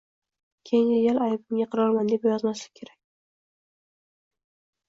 Keyingi gal «Aybimga iqrorman» deb yozmaslik kerak.